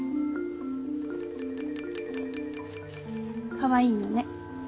かわいいのね。